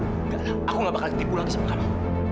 enggak lah aku gak bakal tipu lagi sama kamu